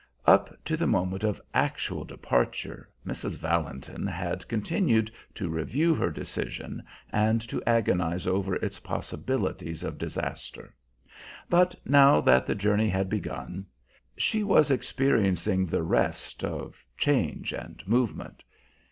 Up to the moment of actual departure, Mrs. Valentin had continued to review her decision and to agonize over its possibilities of disaster; but now that the journey had begun, she was experiencing the rest of change and movement.